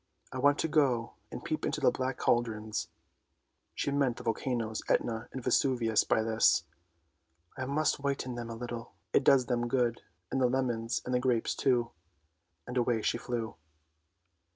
" I want to go and peep into the black cauldrons! " She meant the volcanoes Etna and Vesuvius by this. " I must whiten them a little; it does them good, and the lemons and the grapes too! " And away she flew.